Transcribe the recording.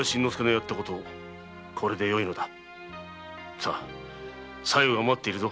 さ小夜が待っているぞ。